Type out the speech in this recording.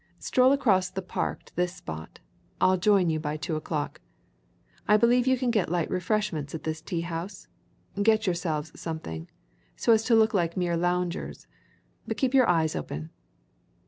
Stroll across the park to this spot I'll join you by two o'clock. I believe you can get light refreshments at this tea house; get yourselves something, so as to look like mere loungers but keep your eyes open."